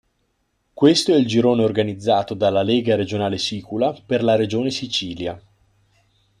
Questo è il girone organizzato dalla Lega Regionale Sicula per la regione Sicilia.